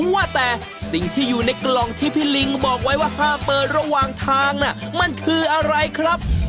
ว่าแต่สิ่งที่อยู่ในกล่องที่พี่ลิงบอกไว้ว่าห้ามเปิดระหว่างทางน่ะมันคืออะไรครับ